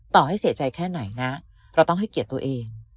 ต่อให้เสียใจแค่ไหนนะเราต้องให้เกียรติตัวเอง